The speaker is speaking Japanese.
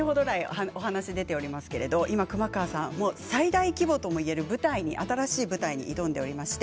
先ほどお話が出ていますが熊川さん最大規模ともいえる舞台新しい舞台に挑んでいます。